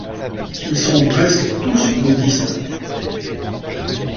Ils sont presque tous bouddhistes.